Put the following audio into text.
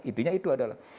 itunya itu adalah